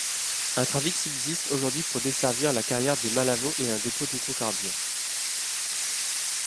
Un trafic subsiste aujourd'hui pour desservir la carrière des Malavaux et un dépôt d'hydrocarbures.